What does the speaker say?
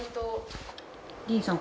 ディーンさん